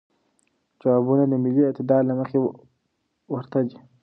جوابونه د ملی اعتدال له مخې ورته دی.